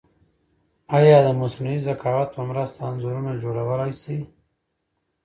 ایا د مصنوعي ذکاوت په مرسته انځورونه جوړولای شئ؟